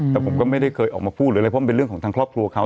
แต่ผมก็ไม่ได้เคยออกมาพูดหรืออะไรเพราะมันเป็นเรื่องของทางครอบครัวเขา